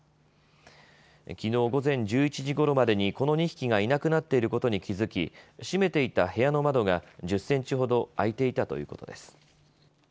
きのう午前１１時ごろまでにこの２匹がいなくなっていることに気付き閉めていた部屋の窓が１０センチほど開いていたということです。